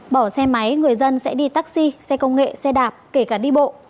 bỏ xe máy người dân sẽ đi taxi xe công nghệ xe đạp kể cả đi bộ